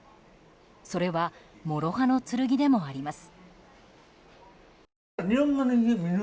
それは、諸刃の剣でもあります。